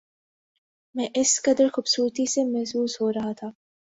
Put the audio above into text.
میں اس قدر خوبصورتی سے محظوظ ہو رہا تھا